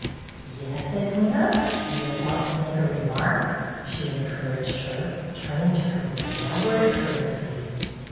"Yes, Edwyna? You were about to make a remark?" she encouraged her, turning to her with elaborate courtesy.